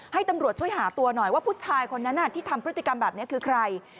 ให้ตำรวจช่วยหาตัวหน่อยว่าผู้ชายคนนั้นที่ทำพฤติกรรมแบบนี้คือใคร